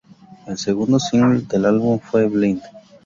El segundo single del álbum fue "Blind".